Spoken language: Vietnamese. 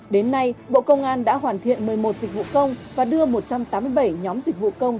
đến nay bộ công an đã hoàn thiện một mươi một dịch vụ công và đưa một trăm tám mươi bảy nhóm dịch vụ công